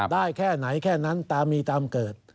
ได้แค่ไหนแค่นั้นตามีตามเกิด